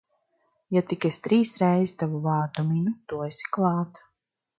Ja tik es trīs reiz tavu vārdu minu, tu esi klāt.